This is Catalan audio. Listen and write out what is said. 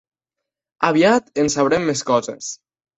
Aviat en sabrem més coses.